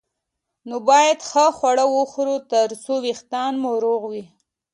نو باید ښه خواړه وخورو ترڅو وېښتان مو روغ وي